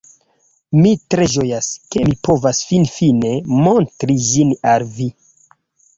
Mi tre ĝojas, ke mi povas finfine montri ĝin al vi